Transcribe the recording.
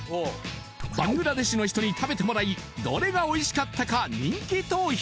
バングラデシュの人に食べてもらいどれがおいしかったか人気投票